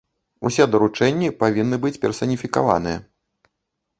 Усе даручэнні павінны быць персаніфікаваныя.